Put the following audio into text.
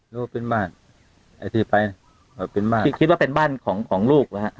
รู้ว่าเป็นบ้านไอ้ที่ไปเป็นบ้านที่คิดว่าเป็นบ้านของของลูกนะฮะ